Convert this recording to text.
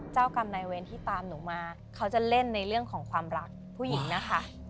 เจ้ากรรมนายเวรที่ตามหนูมาเขาจะเล่นในเรื่องของความรักผู้หญิงนะคะ